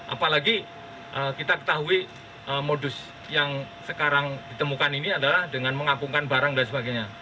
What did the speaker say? apalagi kita ketahui modus yang sekarang ditemukan ini adalah dengan mengapungkan barang dan sebagainya